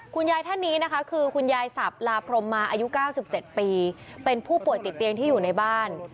คุณยายท่านนี้นะคะคือคุณยายสับลาพรมมาอายุ๙๗ปีเป็นผู้ป่วยติดเตียงที่อยู่ในบ้าน